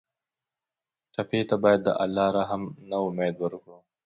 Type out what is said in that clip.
ټپي ته باید د الله له رحم نه امید ورکړو.